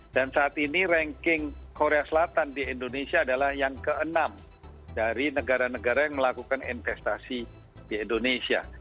dan saat ini ranking korea selatan di indonesia adalah yang keenam dari negara negara yang melakukan investasi di indonesia